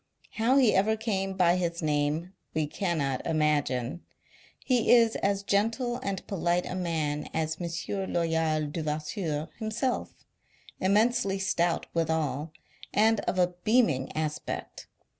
How he ever came by his name, we cannot imagine. He is as gentle and polite a man as M. Loyal Devasseur himself ; immensely stout withal, and of a beaming aspect. M.